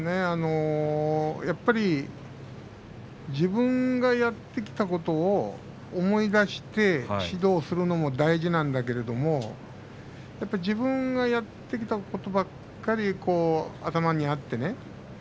やっぱり自分がやってきたことを思い出して指導するのも大事なんだけれどもやっぱり自分がやってきたことばっかり頭にあってね